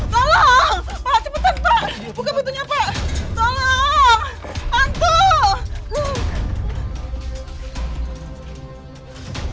hantu tolong pak cepetan pak buka pintunya pak tolong hantu